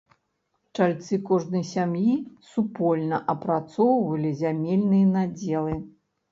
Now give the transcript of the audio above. Чальцы кожнай сям'і супольна апрацоўвалі зямельныя надзелы.